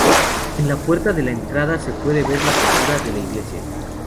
En la puerta de la entrada se puede ver la figura de la iglesia.